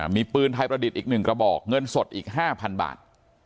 มีปืนไทยประดิษฐ์อีก๑กระบอกเงินสดอีก๕๐๐บาท